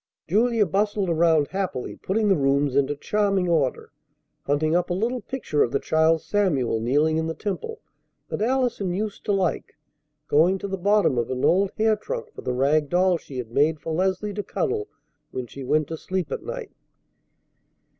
Julia bustled around happily, putting the rooms into charming order, hunting up a little picture of the child Samuel kneeling in the temple, that Allison used to like, going to the bottom of an old hair trunk for the rag doll she had made for Leslie to cuddle when she went to sleep at night.